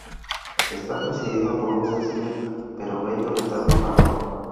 Está presidida por un sencillo, pero bello, retablo barroco.